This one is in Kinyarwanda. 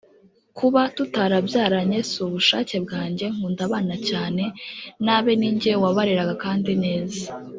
Kuba tutarabyaranye si ubushake bwanjye nkunda abana cyane n’abe ni jye wabareraga kandi neza